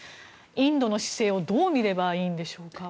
インドの姿勢をどう見ればいいんでしょうか。